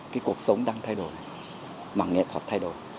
cái cuộc sống đang thay đổi bằng nghệ thuật thay đổi